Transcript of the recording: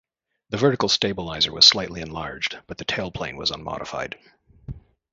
The vertical stabilizer was slightly enlarged, but the tailplane was unmodified.